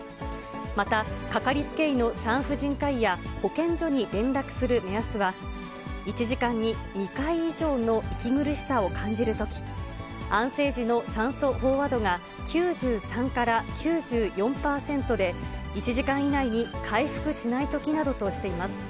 また、かかりつけ医の産婦人科医や、保健所に連絡する目安は、１時間に２回以上の息苦しさを感じるとき、安静時の酸素飽和度が９３から９４％で、１時間以内に回復しないときなどとしています。